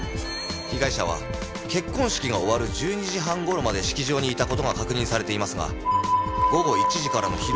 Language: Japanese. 被害者は結婚式が終わる１２時半頃まで式場にいた事が確認されていますが午後１時からの披露